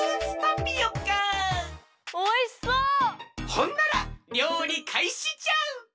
ほんならりょうりかいしじゃ！